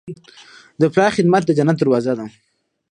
د پلار خدمت د جنت دروازه ده.